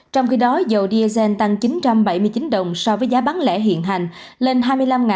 trong khi đó dầu diazen tăng chín trăm bảy mươi chín đồng so với giá bán lẻ hiện hành lên hai mươi năm ba trăm linh đồng